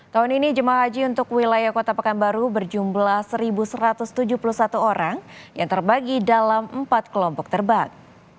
tahun ini jemaah haji untuk wilayah kota pekanbaru berjumlah satu satu ratus tujuh puluh satu orang yang terbagi dalam empat kelompok terbang